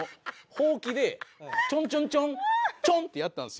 ほうきでちょんちょんちょんちょんってやったんですよ。